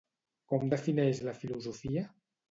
Com defineix la filosofia?